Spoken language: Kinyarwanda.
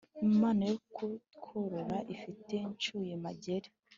imana yo kutworora ifite ncyuye-mageni.